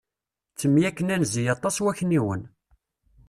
Ttemyakken anzi aṭas wakniwen.